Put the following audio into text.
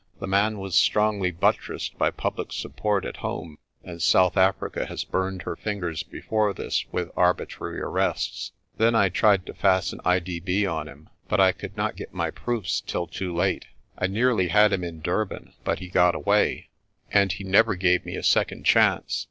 The man was strongly buttressed by public support at home, and South Africa has burned her fingers before this with arbitrary arrests. Then I tried to fasten I.D.B. on him, but I could not get my proofs till too late. I nearly had him in Durban, but he got away; and he never gave me a second chance.